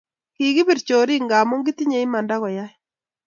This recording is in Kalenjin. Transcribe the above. Kikipir chorik ngamun kitinye imanda kuyai